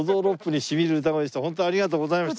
本当ありがとうございました。